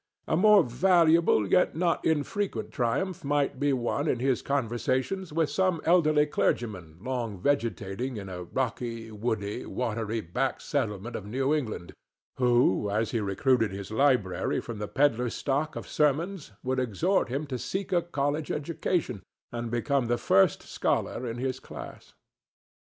A more valuable yet not infrequent triumph might be won in his conversations with some elderly clergyman long vegetating in a rocky, woody, watery back settlement of New England, who as he recruited his library from the pedler's stock of sermons would exhort him to seek a college education and become the first scholar in his class.